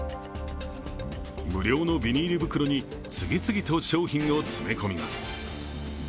無料のビニール袋に次々と商品を詰め込みます